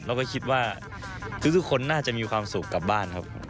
แล้วก็คิดว่าทุกคนน่าจะมีความสุขกลับบ้านครับ